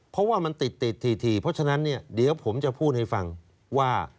เพราะว่ามันติดถี่เพราะฉะนั้นเนี่ยเดี๋ยวผมจะพูดให้ฟังว่า